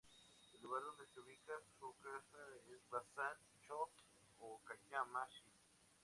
El lugar donde se ubicaba su casa es Banzan-chō, Okayama-shi.